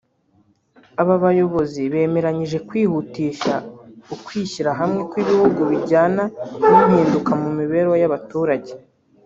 aba bayobozi bemeranyije kwihutisha ukwishyira hamwe kw’ibihugu bijyana n’impinduka mu mibereho y’abaturage